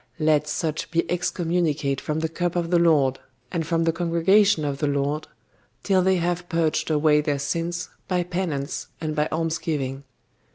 Let such be excommunicate from the cup of the Lord, and from the congregation of the Lord, till they have purged away their sins by penance and by almsgiving.